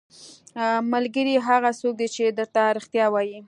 ملګری هغه څوک دی چې درته رښتیا وايي.